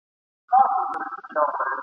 او ابۍ به دي له کوم رنځه کړیږي !.